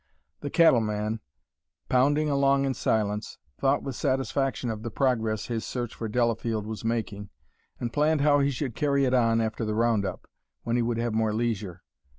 The cattleman, pounding along in silence, thought with satisfaction of the progress his search for Delafield was making and planned how he should carry it on after the round up, when he would have more leisure.